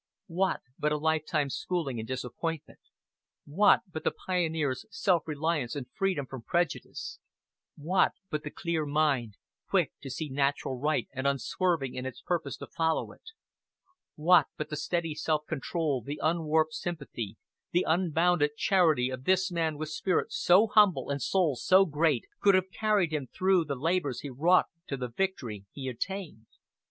What but a lifetime's schooling in disappointment, what but the pioneer's self reliance and freedom from prejudice, what but the clear mind, quick to see natural right and unswerving in its purpose to follow it; what but the steady self control, the unwarped sympathy, the unbounded charity of this man with spirit so humble and soul so great, could have carried him through the labors he wrought to the victory he attained?